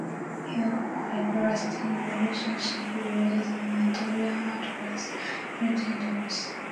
He had lasting relationship with an Italian actress Eleonora Duse.